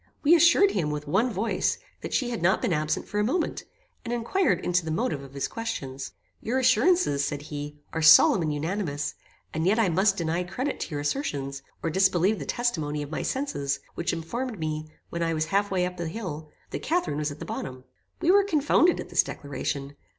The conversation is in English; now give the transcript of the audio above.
We assured him, with one voice, that she had not been absent for a moment, and inquired into the motive of his questions. "Your assurances," said he, "are solemn and unanimous; and yet I must deny credit to your assertions, or disbelieve the testimony of my senses, which informed me, when I was half way up the hill, that Catharine was at the bottom." We were confounded at this declaration.